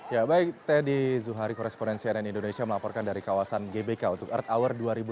ya baik teddy zuhari koresponen cnn indonesia melaporkan dari kawasan gbk untuk earth hour dua ribu dua puluh